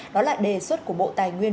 đó là đề xuất của bộ tài nguyên